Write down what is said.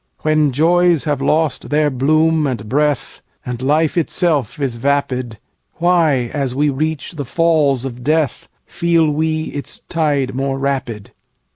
When joys have lost their bloom and breathAnd life itself is vapid, Why, as we reach the Falls of Death, Feel we its tide more rapid?